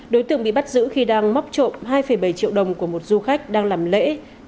đối tượng bị bắt giữ khi đang móc trộm hai bảy triệu đồng của một du khách đang làm lễ